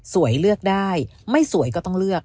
เลือกได้ไม่สวยก็ต้องเลือก